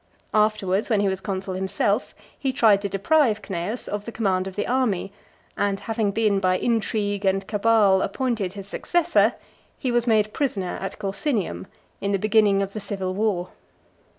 Afterwards, when he was consul himself , he tried to deprive Cneius of the command of the army, and having been, by intrigue and cabal, appointed his successor, he was made prisoner at Corsinium, in the beginning of the civil war.